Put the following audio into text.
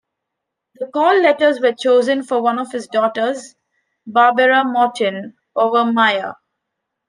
The call letters were chosen for one of his daughters, Barbara Morton Overmyer.